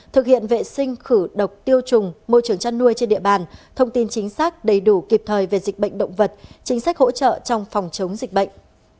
thực hiện vệ sinh khử độc tiêu trùng môi trường chăn nuôi trên địa bàn thông tin chính xác đầy đủ kịp thời về dịch bệnh động vật chính sách hỗ trợ trong phòng chống dịch bệnh